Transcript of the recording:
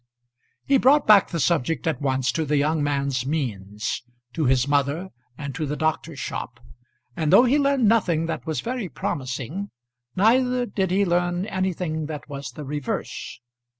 He brought back the subject at once to the young man's means, to his mother, and to the doctor's shop; and though he learned nothing that was very promising, neither did he learn anything that was the reverse.